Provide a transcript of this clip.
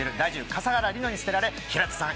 笠原梨乃に捨てられ平手さん